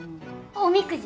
おみくじ。